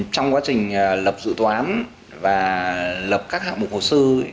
trong quá trình lập dự toán và lập các hạng mục hồ sơ